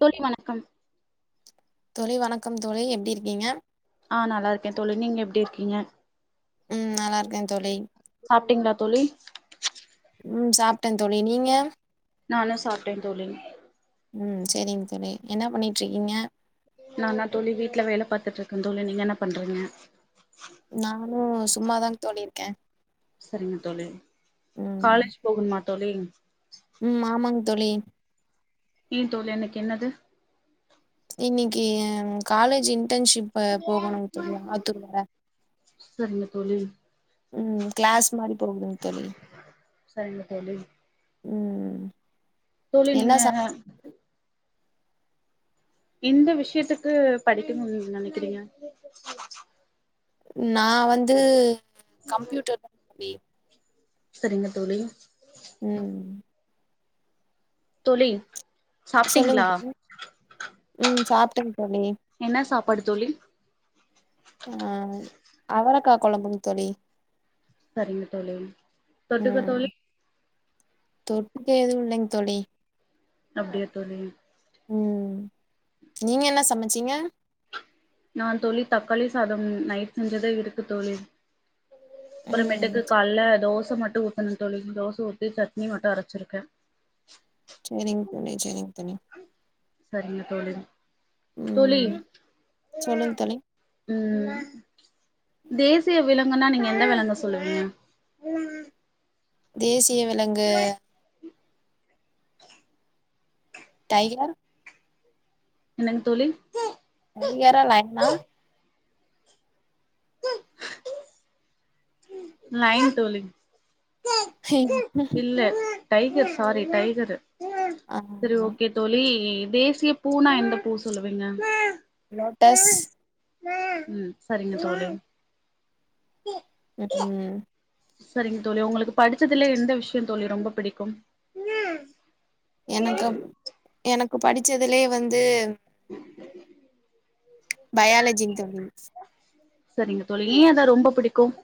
தோழி வணக்கம் தோழி வணக்கம் தோழி எப்டி இருக்கீங்க ஆ நல்லா இருக்கே தோழி நீங்க எப்டி இருக்கீங்க ம் நல்லா இருக்கே தோழி. சாப்ட்டீங்ளா தோழி ம் சாப்ட்ட தோழி நீங்க நானு சாப்ட்டே தோழி ம் சரிங்க தோழி என்னா பண்ணிட்ருக்கீங்க நானா தோழி வீட்ல வேல பாத்துட்டு இருக்க தோழி நீங்க என்ன பண்றீங்க நானு சும்மாதாங் தோழி இருக்க சரிங்க தோழி காலேஜ் போகுன் மாட் தோழி ம் ஆமாங் தோழி ஈ தோழி எனக்கு என்னது இன்னிக்கி காலேஜின் டென்ஷிப்பு போகணுங் தோழி ஆத்துர் வர சரிங்க தோழி ம் க்ளேஸ் மாரி போகுதுங் தோழி சரிங்க தோழி ம் ம் தோழி நீங்க எந்த விஷ்யத்துக்கு படிக்கிணு நீங் நனைக்கிறீங்க நா வந்து கம்ப்யூட்டர் தா வி செரிங்க தோழி ம் தோழி சொல்லுங் சாப்ட்டீங்களா ம் சாப் தோழி படு தோழி அ அவரக்கா கொழம்புங் தோழி சரிங்க தோழி தொட்டுக்க தோழி தொட்க்க எது இல்லங் தோழி அப்டியா தோழி ம் நீங்க என்ன சமைச்சீங்க நா தோழி தக்காளி சாதம் நைட் செஞ்சதே இருக்கு தோழி ம் அப்றமேட்டுக்கு கால்ல தோச மட் ட்டு ஊத்தண தோழி தோச ஊத்தி சட்னி மட்டு அரச்சிருக்க செரிங் தோழி செரிங் சரிங்க தோழி தோழி ம் சொல்லுங் தோழி உம் தேசிய விலங் ங்ன்னா நீங்க எந்த விலங்க சொல்லுவீங்க தேச சிய விலங்கு டைகர் என்னங் தோழி அதிகரோ நைனா லயன் தோழி ஹெய் இல்ல டைகர் சாரி டைகரு ஆ சரி ஓகே தோழி தேசிய பூனா எந்த பூ சொல்லுவீங்க லோட்டஸ் உம் சரிங்க தோழி ச உ உம் சரிங்க தோழி உங்களுக்கு படிச்சதுல எந்த விஷயம் தோழி ரொம்ப பிடிக்கும் எனக்கப் எனக்கு படிச்சதுலயே வந்து பயாலஜிங் தோழி சரிங்க தோழி ஏ அத ரொம்ப பிடிக்கும்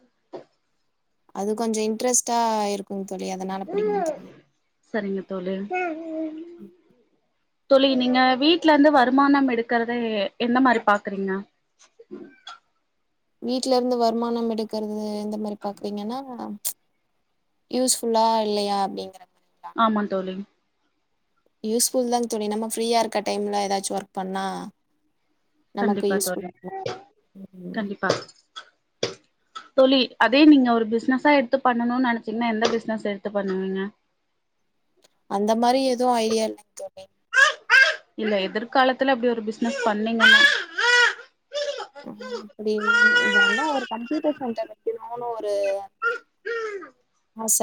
அது கொஞ்சிசோ இன்ட்ரெஸ்ட்டா இருக்குங் தோழி அதனால பிடிக்குங் தோழி சரிங்க தோழு உம் தோழி நீங்க வீட்டுல இருந்து வருமானம் எடுக்கறத எந்த மாரி பாக்றீங்க வீட்ல இருந்து வருமானம் எடுக்கறது இந்த மாரி பாக்குறீங்கன்னா யூஸ்ஃபுல்லா இல்லையா அப்படிங்கிற மாரி ஆமா தோழி யூஸ்ஃபுல் தாங் தோழி நம்ம ஃப்ரீயா இருக்க டைம்ல ஏதாச்சு ஒர்க் பண்ணா நமக்கு கண்டிப்பா யூஸ்ஃபுல் தோழி ம் கண்டிப்பா தோழி அதே நீங்க ஒரு பிஸ்னஸா எடுத்து பண்ணணுனு நினைச்சீங்கன்னா எந்த பிஸ்னஸ் எடுத்து பண்ணுவீங்க அந்த மாரி எது ஐடியா இல்லைங் தோழி இல்ல எதிர்காலத்துல அப்டி ஒரு பிசினஸ் பண்ணிங்கன்னா அப்டி வந்தா ஒரு கம்ப்யூட்டர் சென்டர் வெக்கணுனு ஒரு ஆச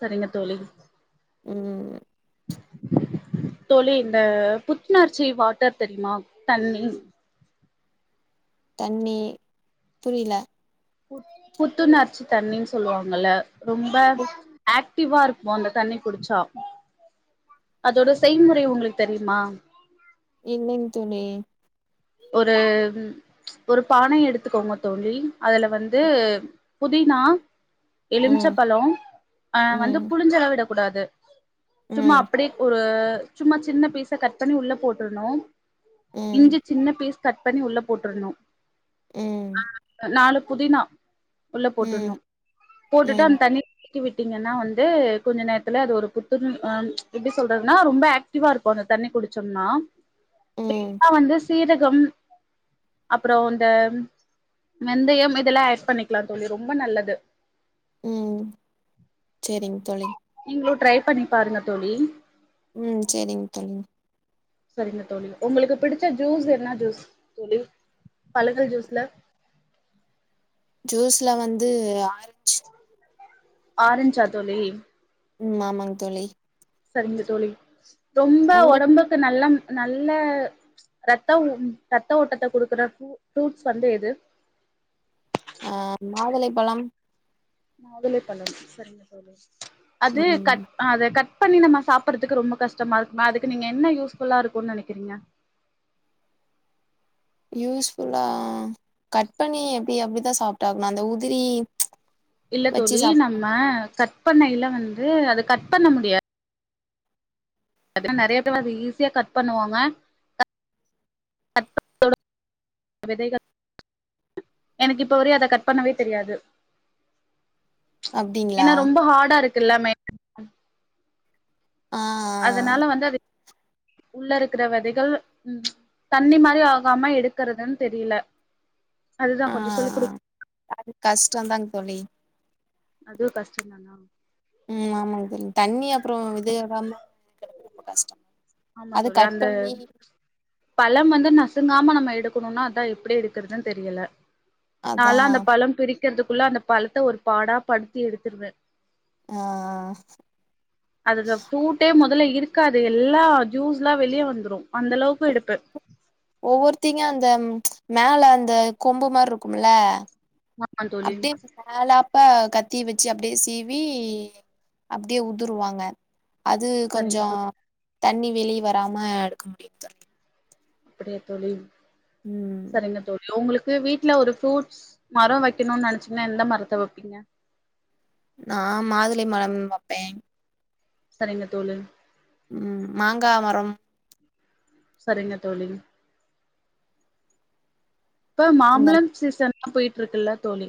சரிங்க தோழி ம் தோழி இந்த புத்துணர்ச்சி வாட்டர் தெரியுமா தண்ணி தண்ணி புரில புத் புத்துணர்ச்சி தண்ணினு சொல்லுவாங்கல்ல ரொம்ப ஆக்ட் டிவா இருக்கு அந்த தண்ணி குடிச்சா அதோட செய்முறை உங்குளுக்கு தெரியுமா இல்லைங் தோழி ஒரு ஒரு பானை எடுத்துக்கோங்க தோழி அதுல வந்து புதினா ம் எலுமிச்சம் பழ அ வந்து ம் புளிஞ்செல்லா விடக் கூடாது சும்மா ம் அப்பிடி ஒரு சும்மா சின்ன பீச கட் பண்ணி உள்ள போட்டுர்ணு ம் இ்ஞ்சி பீஸ் கட் பண்ணி உள்ள போட்டுர்ணு ம் நாலு புதினா உள்ள ம் போட்டுர்ணு போட்டுட்டு ம் அந்த தண்ணி க்கி விட்டகங்கனா வந்து கொஞ்ச நேரத்துல அது ஒரு புத்துணர் அ எப்டி சொல்றதுனா ரொம்ப ஆக்ட்டிவா இருக்கு அந்த தண்ணி குடிச்சம்னா ம் வேணுனா வந்து சீரகம் அப்றோ இந்த வெந்தயம் இதெல்லா ஆட் பண்ணிக்லா தோழி ரொம்ப நல்லது செரிங் தோழி நீங்ளு ட்ரை பண்ணி பாருங்க தோழி ம் செரிங்க தோழி சரிங்க தோழி உங்களுக்கு பிடிச்ச ஜூஸ் என்னா ஜூஸ் தோழி பழங்கள் ஜூஸ்ல ஜூஸ்ல வந்து ஆரஞ் ஆரஞ்சா தோழி ம் ஆமாங் தோழி சரிங்க தோழி ரொம்ப உங்கள் ஒடம்புக்கு நல்லம் நல்ல ரத்த ரத்த ஓட்டத்தை குடுக்குற ஃபு ஃப்ரூட்ஸ் வந்து எது அ மாதுளைபழம் மாதுளைப்பழம் சரிங்க தோழி அது ம் கட் அத கட் பண்ணி நம்ம சாப்படறதுக்கு ரொம்ப கஷ்டமா இருக்குமா அதுக்கு நீங்க என்ன யூஸ்ஃபுல்லா இருக்குனு நெனைக்கிறிங்க யூஸ்ஃபுல்லா கட் பண்ணி எப்டி அப்டிதா சாப்ட்டாகணு அந்த உதிரி இல்ல வச்சு தோழி சாப் நம்ம கட் இப்பண்ணைல வந்து அது கட் பண்ண முடியா பாத்தீனா நெறயா பேர் அத ஈஸியா கட் பண்ணுவாங்க அதோட விதைகள் எனக்கு இப்ப வரயு அத கட் பண்ணவே தெரியாது ப்ச் அப்டிங்களா ஏனா ரொம்ப ஹார்டா இரு கு எல்லாமே ஆ அதுனால வந்து அது உள்ள இருக்கிற விதைகள் ப்ச் தண்ணி மாரி ஆகாம எடுக்கறதுனு தெரில ஆ அது கஷ்டந்தாங் தோழி அதுவு கஷ்டந்தானா ம் ஆமாங் தோழி தண்ணி அப்புறோ இது ஏறாம இது கெடைக்கிறது ரொம்ப கஷ்டோ ஆமா அது தோழி கட் அந்த பண்ணி பழம் வந்து நசு ங்காம நம்ம எடுக்கணுனா அதா எப்டி எடுக்கறதுன் தெரியல அதா நால்லா அந்த பழம் பிரி க்கிறதுக்குள்ள அந்த பழத்த ஒரு பாடா படுத்தி எடுத்திருவ ஆ ஆ அதுதா பூட்டே மொதல்ல இரு க்காது எல்லா ஜூஸ்ல்லா வெளிய வந்துரு அந்த அளவுக்கு இடுப்பு ஒவ்வொருத்திங்க அந்த ப்ச் மேல அந்த கொம்பு மாரி இருக்குமல்ல ஆமா தோழி அப்டியே மேல அப்பா கத்திய வெச்சு அப்டியே சீவி அப்டியே உதிருவாங்க அது சரிங்க கொஞ்சோ தோழி தண்ணி வெளிய வராம எடுக்க முடியு கோழி அப்டியா தோழி ம் சரிங்க தோழி உங்ளுக் கு வீட்ல ஒரு ஃப்ரூட்ஸ் மரோ வெக்கணுனு நெனச்சீங்னா எந்த மரத்த வெப்பீங்க நா மாதுளை மரம் வெப்பேன் சரிங்க தோழி ம் மாங்கா மரம் சரிங்க தோழி இப்ப இந்த மாம்பழம் சீசன் லா போயிட்டு இருக்கல்ல தோழி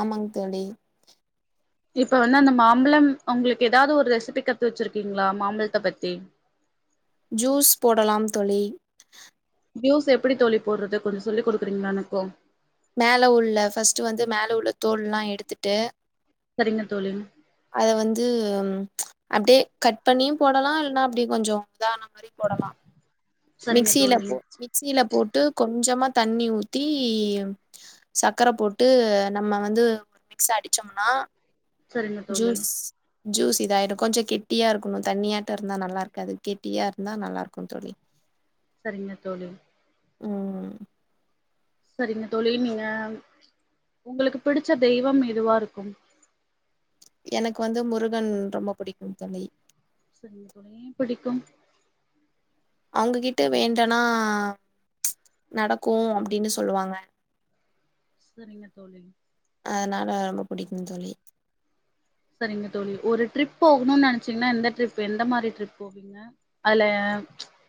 ஆமாங் தோழி இப்ப வந்து அந்த மாம்பழம் உங்களுக்கு எதாவது ஒரு ரெசிபி கத்து வெச்சிருக்கீங்ளா மாம்பழத்த பத்தி ஜூஸ் போடலாம் தோழி ஜூஸ் எப்படி தோழி போடுறது கொஞ்சோ சொல்லி குடுக்கறீங்ளா எனக்கு மேல உள்ள ஃபஸ்ட்டு வந்து மேல உள்ள தோல் எல்லா எடுத்துட்டு செரிங்க தோழிம் அத வந்து ப்ச் அப்டியே கட் பண்ணியு போடலா இல்னா அப்டியே கொஞ்சோ இதான மாரி போடலா சரிங்க மிக்சில தோழி போ மிக்சில போட் டு கொஞ்சமா தண்ணி ஊத்தி சக்கர போட்டு நம்ம வந்து ஒரு மிக்ஸ் அடிச்சோம்னா செரிங்க தோழி ஜூஸ் ஜூஸ் இதாயிடு கொஞ்சோ கெட்டியாருக்கணு தண்ணியாட்டோ இருந்தா நல்லா இருக்காது கெட்டியா இருந்தா நல்லாருக்கு தோழி செரிங்க தோழி ம் செரிங்க தோழி நீங்க உங்களுக்கு பிடிச்ச தெய்வம் எதுவா இருக்கும் எனக்கு வந்து முருகன் ரொம்ப புடிக்கும் தோழி செரிங்க தோழி ஏன் பிடிக்கும் அவங்ககிட்ட வேண்டனா நடக்கு அப்டின்னு சொல்லுவாங்க செரிங்க தோழி அதனால ரொம்ப புடிக்கும் தோழி செரிங்க தோழி ஒரு டரிப் போகணுன் நெனச்சீங்ன்னா எந்த ட்ரிப் எந்த மாரி ட்ரிப் போவீங்க அதுல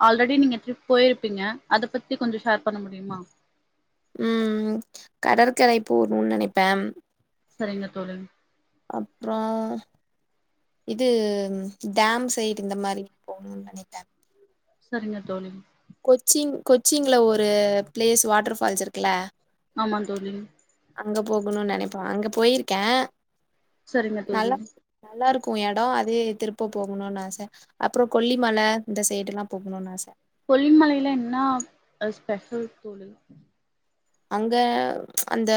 ஆல்ரெடி நீங்க ட்ரிப் போயிருப்பீங்க அதப் பத்தி கொஞ்சோ ஷேர் பண்ண முடியுமா ம் கடற்கரை போணுன் நெனைப்பே செரிங்க தோழி அப்றோ இது டேம் சைடு இந்த மாரி போணுன் நெனைப்ப செரிங்க தோழி கொச்சிங் கொச்சிங்ல ஒரு பிளேஸ் வாட்டர் ஃபால்ஸ் இருக்குல்ல ஆமா தோழி அங்க போகணுன் நெனைப்ப அங்க போயிருக்கே செரிங்க தோழி கு எடோ அதே திருப்ப போகணுன்னு ஆச அப்புறோ கொல்லிமல இந்த சைடுலா போகணுன் ஆச கொல்லிமலையில என்னா அ ஸ்பெஷல் தோழி அங்க அந்த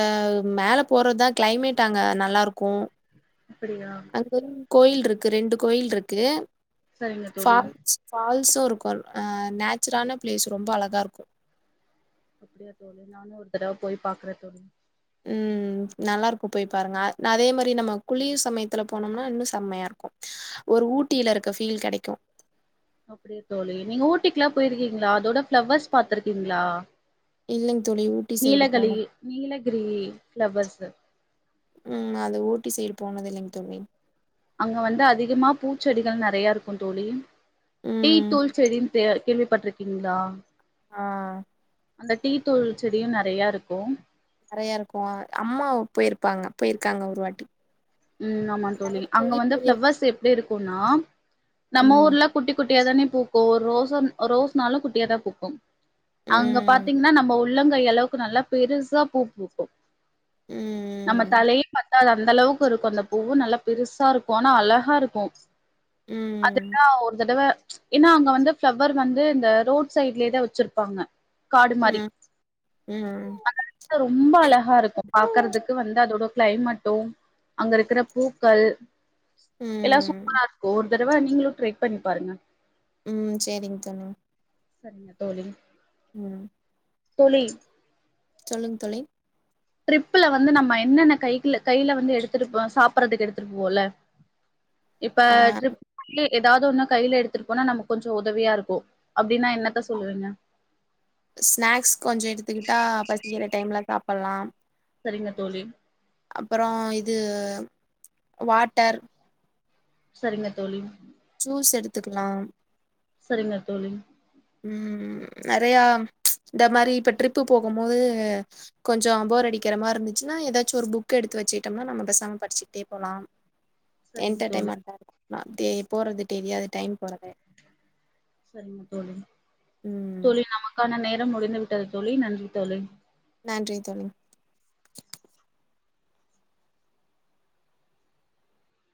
மேல போறதுதா கிளைமேட் அங்க நல்லாருக்கு அப்டியா கோயில்ட்ருக்கு ரெண்டு கோயில்ட்ருக்கு சரிங்க தோழி ஃபால்ஸ் ஃபால் ஸு இருக்கு அ நேச்சுரான பிளேஸ் ரொம்ப அழகாருக்கு அப்டியா தோழி நானு ஒரு தடவ போய் பாக்கற தோழி ம் நல்லாருக்கு போய் பாருங்க அதே மாரி நம்ம குளிர் சமயத்துல போனோம்னா இன்னு செம்மையாருக்கு ஒரு ஊட்டிலருக்க ஃபீல் கெடைக்கு அப்டியா தோழி நீங்க ஊட்டிக்குல்ல போயிருக்கீங்களா அதோட ஃப்ளவர்ஸ் பாத்துருக்கீங்களா இல்லைங் தோழி ஊட்டி சைடு நீலகழி போன நீலகிரி ஃப்ளவர்ஸு ம் அது ஊட்டி சைடு போனதில்லைங் தோழி அங்க வந்து அதிகமா பூச்செடிகள் நறையாருக்கு தோழி டீ ம் தூள் செடி டியே கேள்விப்பட்டிருக்கீங்ளா ஆ அந்த டீ தூள் செடியு நறையாருக்கு நறையாருக்கு அம்மா போயிருப்பாங்க போயிருக்காங்க ஒரு வாட்டி ம் ஆமா தோழி நெறைய அங்க பெரிய வந்து பெரிய ஃப்ளவர்ஸ் எப்டிருக் குனா நம்ம ம் ஊர்ல குட்டி குட் குட்டியாதானே பூக்கு ஒரு ரோஸ்சு ரோஸ்னாளு குட்டியா தா பூக்கு அங்க ம் பாத்தீங்கன்னா நம்ப ஊ உள்ளங்கையளவுக்கு நல்லா பெருசா பூ பூக்கு நம்ம ம் தலயு பத் அந்தலவு இருக்கு அந்த பூவ்வு நல்லா பெருசா இருக்கு ஆனா அழகா இருக்கு ம் அதெல்லா ஒரு தடவ ஏன்னா அங்க வந்து ஃபிளவர் வந்து இந்த ரோட் சைட்லேயேதா வெச்சிருப்பாங்க காடு மாரி ம் ம் அது ரொம்ப அழகா இருக்கு பாக்கறதுக்கு வந்து அதோட கிளைமெட்டு அங்க இருக்கிற பூக்கள் எல்லா ம் சூப்பரா இருக்கு ஒர் ஒரு தடவ நீங்களு ட்ரை பண்ணி பாருங்க ம் செரிங் தோழி செரிங்க தோழி ம் தோழி சொல்லுங் தோழி ட்ரிப்புல வந்து நம்ம என்னென்ன கைக்ல கையில வந்து எடுத்துட்டுப்போ சாப்புட்றதுக்கு எடுத்துட்டு போவல்ல இப்ப ஆ ட்ரிப் லி எதாவ்து ஒண்ணு கையில எடுத்துட்டு போனா நமக்கு கொஞ்சோ உதவியா இருக்கு அப்டின்னா என்னத்த சொல்லுவீங்க ஸ்நாக்ஸ் கொஞ்சோ எடுத்துக்கிட்டா பசிக்கிற டைம்ல சாப்பல்லா செரிங்க தோழி அப்றோ இது வாட்டர் செரிங்க தோழி ஜூஸ் எடுத்துக்கலா செரிங்க தோழி ம் நெறயா இந்த மாரி இப்ப ட்ரிப்பு போகும் போது கொஞ்சோ போர் அடிக்கற மாரிந்துச்சுன்னா எதாச்சு ஒரு புக் எடுத்து வெச்சுகிட்டம்னா நம்ம பேசாம படுச்சுகிட்டே போலா சரிங்க தோழி எண்டர்டைமண்ட்டாரு நா தே போறது தெர்யாது டைம் போறதே செரிங்க தோழி தோழி நமக்கான நேர் ரம் முடிந்து விட்டது தோழி நன்றி தோழி நன்றி தோழி